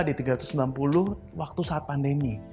di tiga ratus sembilan puluh waktu saat pandemi